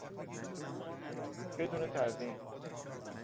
بدون تزیین